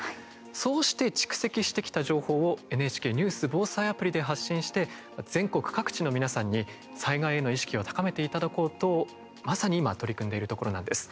そうして蓄積してきた情報をＮＨＫニュース防災アプリで発信して、全国各地の皆さんに災害への意識を高めていただこうと、まさに今取り組んでいるところなんです。